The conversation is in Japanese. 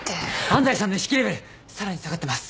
安西さんの意識レベルさらに下がってます！